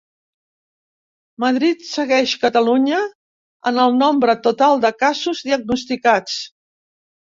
Madrid segueix Catalunya en el nombre total de casos diagnosticats.